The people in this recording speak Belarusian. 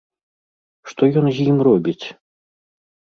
Што ён з ім робіць?